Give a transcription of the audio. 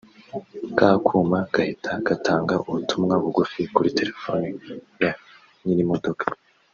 ka kuma gahita gatanga ubutumwa bugufi kuri terefone ya nyirimodoka